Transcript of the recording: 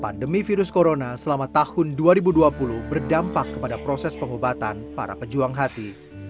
pandemi virus corona selama tahun dua ribu dua puluh berdampak kepada proses pengobatan para pejuang hati